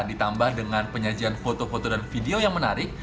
ditambah dengan penyajian foto foto dan video yang menarik